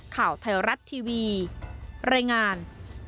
ข่าวไทยรัฐทีวีรายงาน